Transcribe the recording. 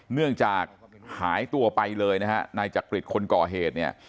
เนื่องจากหายตัวไปเลยนะฮะนายจักริตคนก่อเหตุเนี่ย